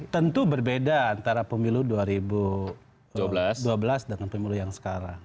tentu berbeda antara pemilu dua ribu dua belas dengan pemilu yang sekarang